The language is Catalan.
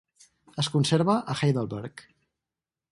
Es conserva a Heidelberg.